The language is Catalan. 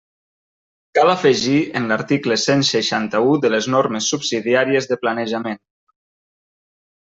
Cal afegir en l'article cent seixanta-u de les Normes subsidiàries de planejament.